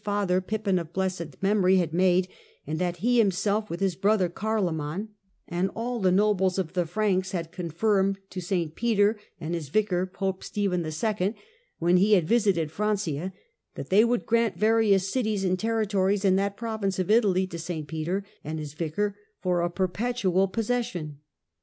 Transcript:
Byzantine Territory l%vj father, Pippin of blessed memory, had made, and that he himself with his brother Carloman and all the nobles 152 THE DAWN OF MEDIEVAL EUROPE of the Franks had confirmed to St. Peter and his vicar Pope Stephen II., when he had visited Francia, that they would grant various cities and territories in that province of Italy to St. Peter and his vicar for a per petual possession.